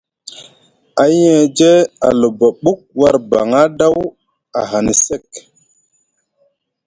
Ahiyeje a luba ɓuk war baŋa ɗaw ahani sek.